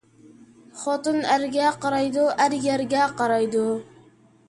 خوتۇن ئەرگە قارايدۇ، ئەر يەرگە قارايدۇ